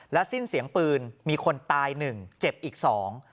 สิ้นเสียงปืนมีคนตายหนึ่งเจ็บอีกสอง